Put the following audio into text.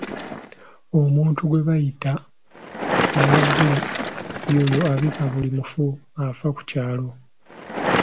Omuntu gwe bayita mawuugulu y'oyo abika buli mufu afa ku kyalo